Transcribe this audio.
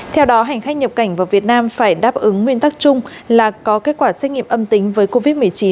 theo đó hành khách nhập cảnh vào việt nam phải đáp ứng nguyên tắc chung là có kết quả xét nghiệm âm tính với covid một mươi chín